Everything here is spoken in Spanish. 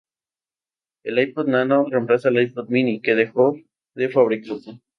El iPod nano reemplazó al iPod mini, que dejó de fabricarse.